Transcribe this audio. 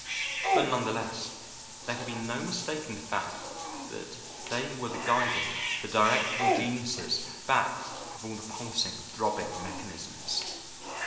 But, none the less, there could be no mistaking the fact that they were the guiding, the directing geniuses back of all the pulsing, throbbing mechanisms.